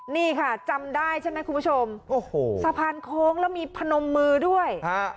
นี่ค่ะจำได้ใช่ไหมคุณผู้ชมโอ้โหสะพานโค้งแล้วมีพนมมือด้วยฮะ